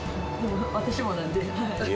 私もなんで。